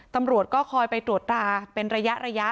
ตำรวจก็คอยไปตรวจราเป็นระยะ